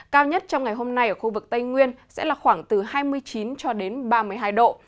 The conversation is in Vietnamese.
cao nhất trong ngày hôm nay ở khu vực tây nguyên sẽ là khoảng từ hai mươi chín cho đến ba mươi hai độ